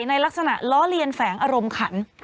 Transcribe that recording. ในลักษณะล้อเลียนแฝงอารมณ์ขัน